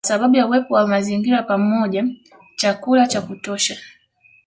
Kwa sababu ya uwepo wa mazingira pamoja chakula cha kutosha